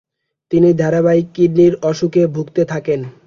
তিনি ধারাবাহিক কিডনির অসুখে ভুগতে থাকেন।